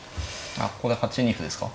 ああここで８二歩ですか。